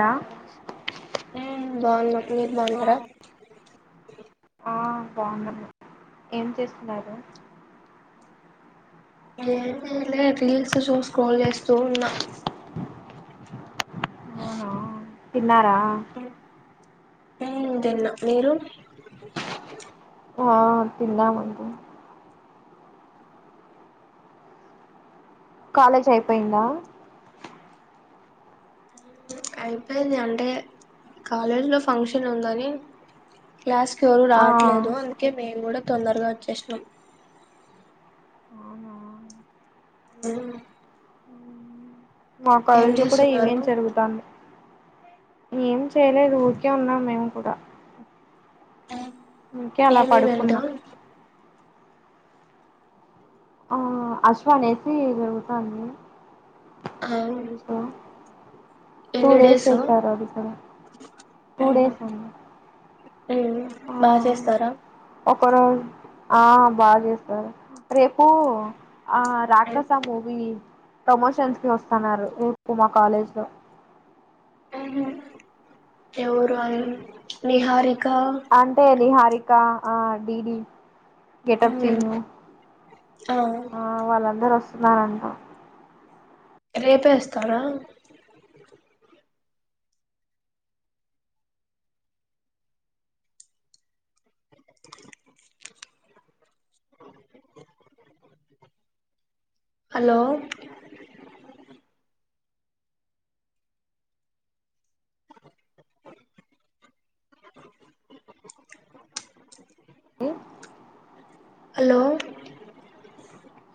రా బా మీర్ ఆ మాగార బాగు ఏం చేస్తున్నారు లే రీల్స్ షో స్క్రోల్ చేస్తూ ఉన్నా ఓహ ఉన్నారా అ ఇదన్న మీరు ఆ తిన్నా మంట కాలేజ్ అయిపోయిందా అయిపోయింది అంటే కాలేజీలో ఫంక్షన్ ఉందని క్లాస్ కి ఎవరు ఆ రావట్లేదు అందుకే మేము కూడా తొందరగా వచ్చేసినం అవునా ఆ మా కాలేజీలో కూడా చేస్తున్నారు ఇవేం జరుగుతా ఏం చేయలేదు ఊరికే ఉన్నాం మేము కూడా ఉకే అలా ఏం ఈవెంట్ పడుకున్నా అశ్వానేసి జరుగుతాండి ఆ వా స టూ డేస్ చేస్తారు అంట టూ ఉహు డేస్ అంట ఉమ్ అ బాగా చేస్తారా ఒకరోజు ఆ బాగా చేస్తారు రేపు ఆ రాక్షస మూవీ ప్రమోషన్స్ కి వస్తున్నారు రూటకు మా కాలేజ్ లో ఎవరు అ నిహారి అంటే అది హారీ కా ఆ డిడీ ఉమ్ గెటప్చేంజ్ ఆ వాళ్ళందరు వస్తున్నారంట రెపే వస్తాడా హాలో ఇనోఅడిబుల్ ఉ హాలో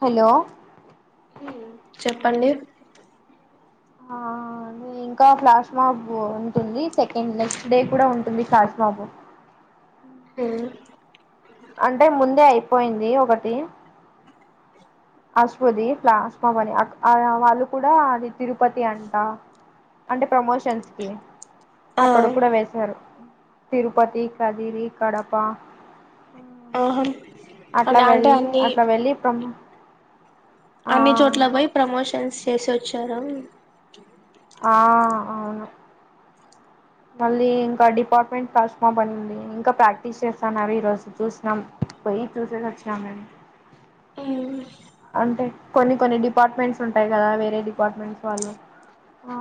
హాలో చెప్పండీ ఆ ఇంకా ఫ్లాష్మా బోర్ ఉంటుంది సెకండ్ నెక్స్ట్ డే కూడా ఉంటుంది ఫ్లాష్మా బో ఊ అంటే ముందే అయిపోయింది ఒకటీ అశ్వదీ ప్లాస్మాబని వాళ్ళు కూడా అది తిరుపతి అంటా అంటే ప్రమోషన్స్ కీ ఆ అక్కడ కూడా వెళ్తారు తిరుపతి కదిరీ కడపా ఆహమ్ అట్ల వెళ్ళీ అట్ల వెళ్లి పం అన్ని చోట్లా బొయ్ ప్రమోషన్స్ చేసొచ్చారా ఆ అవును మళ్ళీ ఇంకా డిపాట్మెంట్ తస్మా పని ఉంది ఇంకా ప్రాక్టీస్ చేస్తా అన్నారు ఈరోజు చూసినం పోయి చూసేసి వచ్చినాం మేం ఊ అంటే కొన్ని కొన్ని డిపాట్మెంట్స్ ఉంటాయి గదా వేరే డిపాట్మెంట్స్ వాళ్ళు ఆ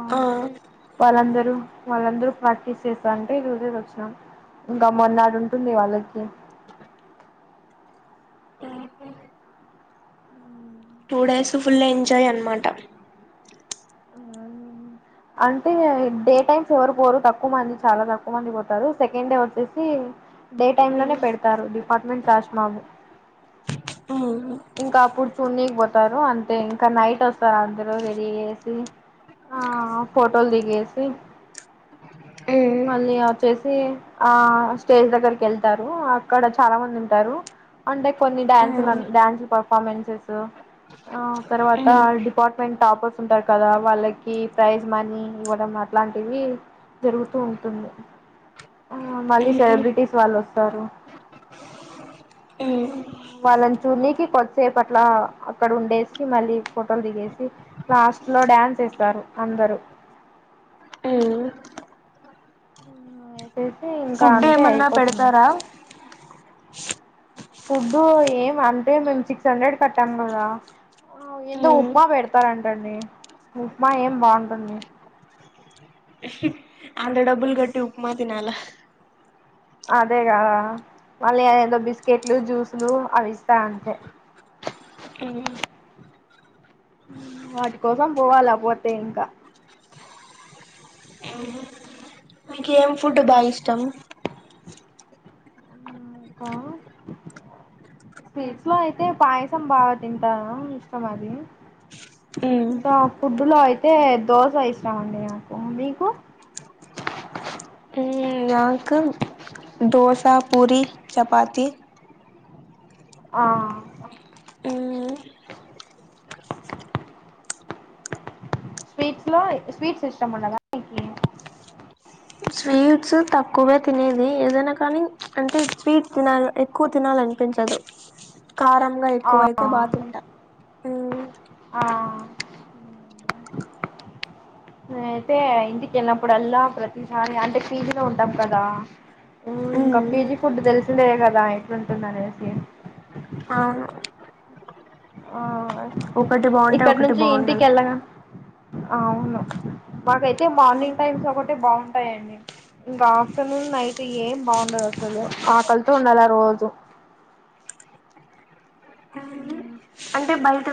వాళ్ళందరూ వాళ్ళందరూ ప్రాక్టీస్ చేస్తా అంటే ఈ రోజే వచ్చినాం ఇంకా మరునాడు ఉంటుంది వాళ్ళకి. టూ డేస్ ఫుల్ ఎంజాయ్ అన్మాట అంటే డే టైమ్స్ ఎవరు పోరు తక్కువ మంది చాలా తక్కువ మంది పోతారు. సెకండ్ డే వచ్చేసీ డే టైమ్ లోనే పెడతారు డిపాట్మెంట్ తస్మాము ఇంకా అప్పుడు చూడ్నికి పోతారు. అంటే ఇంకా నైట్ ఒస్తారు అందరు రెడీ చేేసి ఫోటోలు దిగేసి మళ్ళీ వచ్చేసీ ఆ స్టేజ్ దగ్గరకి ఎళ్తారు అక్కడ జు చాలా మంది ఉంటారు. అంటే కొన్ని డ్యాన్స్లు అన్ డ్యాన్స్ పర్ఫామెన్సెస్ అ ఆ తర్వాతా డిపాట్మెంట్ టాపర్ అంటారు కదా వాళ్ళకీ ప్రైజ్ మనీ ఇవ్వడం అట్లాంటివి జరుగుతూ ఉంటుంది. ఆ మళ్ళీ సెలబ్రిటీస్ వాళ్ళు ఒస్ తరు ఉ వాళ్ళన్ చూనికి కొద్దిసేపట్లా అక్కడ ఉండేసి మళ్ళీ ఫోటోలు దిగేసి లాస్ట్ లో డ్యాన్స్ ఎస్తారు అందరూ. వేసేసి ఇంకా అంతే ఫుడ్డెమన్నా అయిపోతుంది పెడతారా? ఫుడ్డు ఏమ్ అంటే మేము సిక్స్ హండ్రెడ్ కట్టాం కదా ఏంటో ఉప్మా పెడతారంటండి. ఉప్మా ఏం బాగుంటుంది. అంత డబ్బుల్ గట్టి ఉప్మా తినాలా హ అదే గదా మళ్ళీ అఏదో బిస్కెట్లు, జ్యూస్లు అవి ఇస్తా అంతే వాటి కోసం పోవాలా పోతే ఇంకా మీకెం ఫుడ్ బాగా ఇష్టం. ఇంకా స్వీట్స్లో అయితే పాయసం బాగా తింటా ఇష్టం అది ఇంకా ఫుడ్లో అయితే దోశ ఇష్టం అండి నాకు మీకు. నాకు దోసా, పూరి, చపాతి ఆ స్వీట్స్ లో స్వీట్స్ ఇష్టముండదా నీకి స్వీట్స్ తక్కువె తినేది ఏదైనా కానీ అంటే స్వీట్స్ తినాల్ ఎక్కువ తినాలనిపించదు. కారంగా ఆ ఎక్కువైతే బాతింట ఆ నేనయితే ఇంటిక ఎళ్ళినప్పుడల్లా ప్రతిసారి అంటే పీజీలో ఉంటాం కదా. ఇంకా పీజీ ఫుడ్ తెలిసిందే కదా ఎట్లుంటుందనేసి అవును ఆ ఒకటి బాగుంటే, ఇక్కడ ఒకటి నుంచి ఇంటికి బాగుండదు. వెళ్ళగా అవును మాకైతే మార్నింగ్ టైమ్స్ ఒకటి బాగుంటాయండి. ఇంకా ఆఫ్టర్నూన్, నైట్, ఏం బాగుండవు అసలు ఆకలితో ఉండాలరోజు. ఉ అంటే బయట్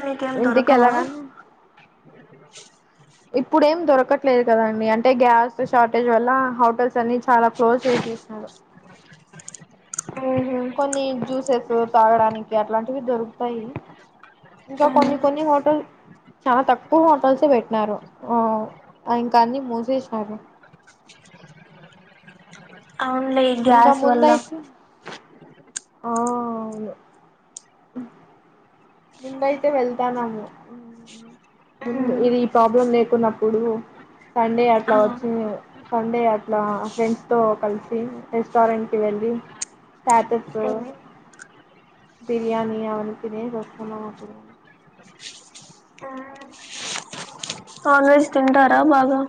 ఇంటికెల్లగానే ఇప్పుడు ఏం దొరకట్లేదు కదండి అంటే గ్యాస్ షార్టేజ్ వల్ల హోటల్స్ అన్ని చాలా క్లోజ్ చేసెసినారు. కొన్ని జుసెస్ తాగడానికి అట్లాంటివి దొరుకుతాయి. ఇంకా కొన్ని కొన్ని హోటల్ చాలా తక్కువ హోటల్స్ పెట్టినారు ఆ ఇంకా అన్ని మూసేసినారు. న్ని ఇంకా గ్యాస్ వల్ల ముందయితే ఆ అవును ఉహ్ ముందయితే వెళ్తానము ముందు ఇది ప్రాబ్లం లేకున్నప్పుడు సండే అట్లా వచ్చి సండే అట్లా ఫ్రెండ్స్ తో కలిసి రెస్టారెంట్ కి వెళ్ళి స్టాటస్ నాన్ బిర్యాని అవన్ని తినేసి వస్ తిన్నం అప్పుడు నాన్ వెజ్ తింటారా బాగా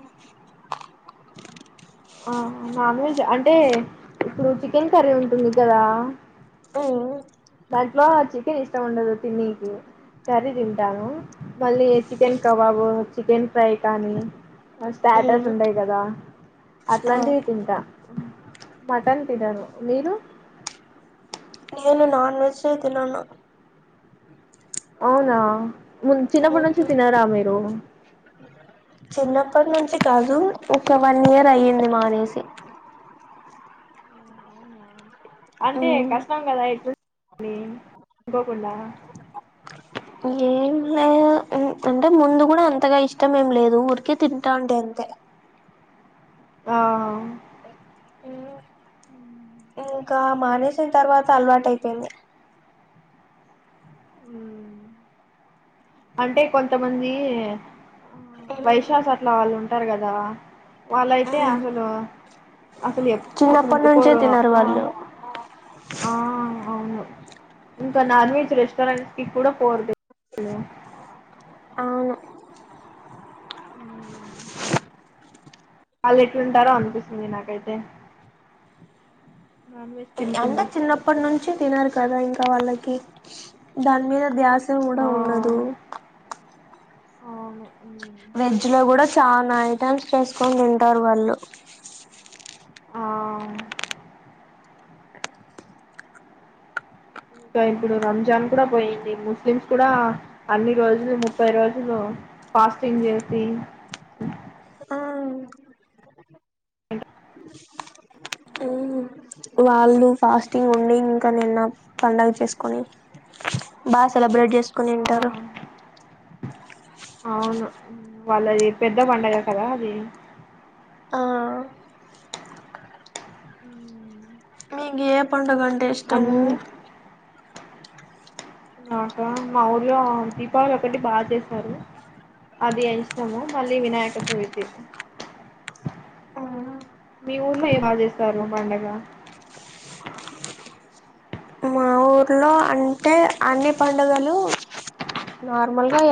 నాన్ వెజ్ అంటే ఇప్పుడు చికెన్ కర్రీ ఉంటుంది కదా దాంట్లో చికెన్ ఇష్టం ఉండదు తిన్నీకి కర్రీ తింటాను మళ్ళీ చికెన్ కబాబు చికెన్ ఫ్రై కానీ స్టాటస్ ఉండయి కదా అట్లాంటివి తింటా మటన్ తినను మీరు నేను నాన్ వెజే తినను అవునా ముంద్ చిన్నప్పటి నుంచి తినరా మీరు చిన్నప్పట్నుంచి కాదు ఒక వన్ ఇయర్ అయ్యింది మానేసి అవునా అంటే కష్టం గదా ఇప్పడు నీ అనుకోకుండా ఏంలే అంటే ముందుగూడా అంతగా ఇష్టం ఏం లేదు ఊరికే తింటాంటే అంతే ఆ ఇంకా మానేసిన్ తర్వాత అలవాటు అయిపోయింది. ఊ అంటే కొంతమంది వైశ్యాస్ అట్లా వాళ్ళు ఉంటారు కదా వాళ్ళయితే అసలు అసలు ఎప్పుడు చిన్నప్పటి నుంచే ముట్టుకొరు తినరు ఆ వాళ్ళు ఆ అవును ఇంకా నాన్ వెజ్ రెస్టారెంట్స్ కి కూడా పోరు తెలుసా అవును ఊ వాళ్ళు ఎట్లుంటారొ అనిపిస్తుంది నాకైతే నాన్ వెజ్ అంటె తినకుండా చిన్నప్పటి నుంచి తినరు కదా ఇంక వాళ్ళకి దాని మీద ధ్యాస చూడ ఆ ఉండదు అవును హ్మ్. చాన ఐటమ్స్ చేస్కొని తింటారు వాళ్ళు ఆ ఇంక ఇప్పుడు రంజాన్ కూడ పోయింది ముస్లిమ్స్ కూడా అన్ని రోజులు ముప్పై రోజులు ఫాస్టింగ్ చేసి ఎంత వాళ్ళు ఫాస్టింగ్ ఉండి ఇంక నిన్న పండగ చేసుకొని బా సెలబ్రేట్ చేస్కొని ఆ ఉంటారు. అవును వాళ్ళది పెద్ద పండగ కదా అది ఆ మీకు ఏ పండగన్ ఇష్టమూ అన్ని [inaudible] నాక మా ఊర్లో దీపావళి ఒకటి బాగా చేస్తారు అది ఇష్టము మళ్ళీ వినాయక చవితి మి ఊర్లో ఎం బాగా చేస్తారు పండగ మా ఊర్లో అంటే అన్ని పండుగలు నార్మల్ గ